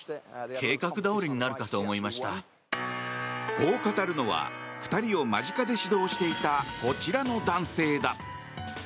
こう語るのは２人を間近で指導していたこちらの男性だ。